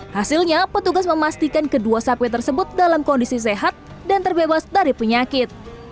hasilnya petugas memastikan kedua sapi tersebut dalam kondisi sehat dan terbebas dari penyakit